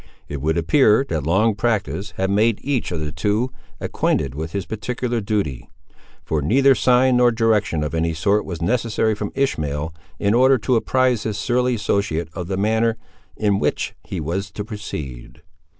It would appear that long practice had made each of the two acquainted with his particular duty; for neither sign nor direction of any sort was necessary from Ishmael, in order to apprise his surly associate of the manner in which he was to proceed.